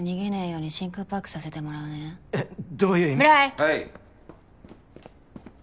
はい。